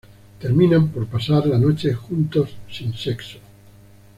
Terminan por pasar la noche juntos sin sexo.